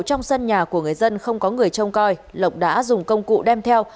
trong sân nhà của người dân không có người trông coi lộc đã dùng công cụ đem theo